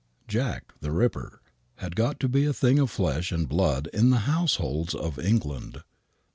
" Jack, the Ripper," had got to be a thing of flesh and blood in the households of England.